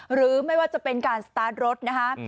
หรือไม่ว่าจะเป็นการสตาร์ทรถนะคะ